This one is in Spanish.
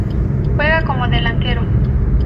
Juega como delantero